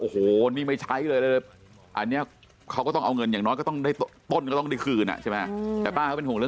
อ๋อหรอไม่ห่วงเงินต้นเหรอ